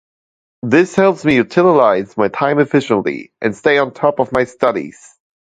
This helps me utilize my time efficiently and stay on top of my studies.